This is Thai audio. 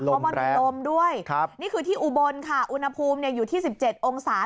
เพราะมันมีลมด้วยนี่คือที่อุบลค่ะอุณหภูมิอยู่ที่๑๗องศา